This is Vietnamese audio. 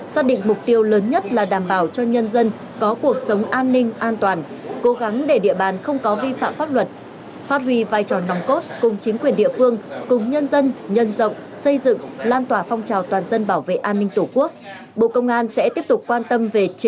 xác định mục tiêu lớn nhất là đảm bảo cho nhân dân có cuộc sống an ninh an toàn cố gắng để địa bàn không có vi phạm pháp luật phát huy vai trò nòng cốt cùng chính quyền địa phương cùng nhân dân nhân rộng xây dựng lan tỏa phong trào toàn dân bảo vệ an ninh tổ quốc